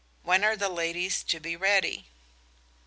When are the ladies to be ready?"